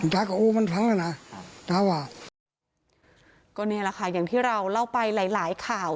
ยายก็โอ้มันพังแล้วนะก็นี่แหละค่ะอย่างที่เราเล่าไปหลายหลายข่าว